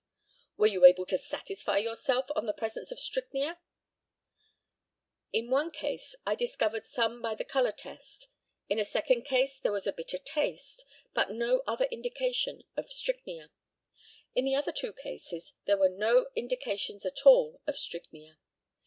Were you able to satisfy yourself of the presence of strychnia? In one case I discovered some by the colour test. In a second case there was a bitter taste, but no other indication of strychnia. In the other two cases there were no indications at all of strychnia.